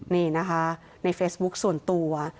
นี่นะคะในเฟซบุ๊คส่วนตัว